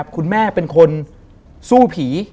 คุณแม่เป็นคนสู้ผี